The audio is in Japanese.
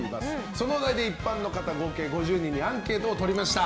そのお題で一般の方合計５０人にアンケートを取りました。